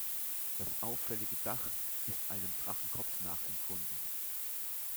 Das auffällige Dach ist einem Drachenkopf nachempfunden.